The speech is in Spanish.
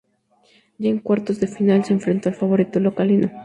Ya en cuartos de final se enfrentó al favorito local y No.